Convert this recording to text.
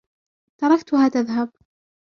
تركتها تذهب.